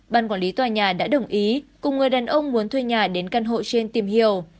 ban quản lý tòa nhà đã đồng ý cùng người đàn ông muốn thuê nhà đến căn hộ trên tìm hiểu